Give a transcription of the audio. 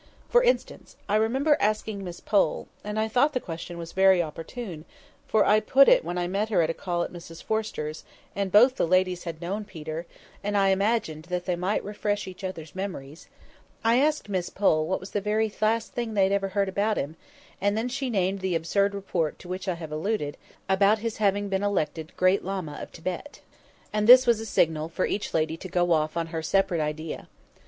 For instance, I remember asking Miss Pole (and I thought the question was very opportune, for I put it when I met her at a call at Mrs Forrester's, and both the ladies had known Peter, and I imagined that they might refresh each other's memories)—I asked Miss Pole what was the very last thing they had ever heard about him; and then she named the absurd report to which I have alluded, about his having been elected Great Lama of Thibet; and this was a signal for each lady to go off on her separate idea.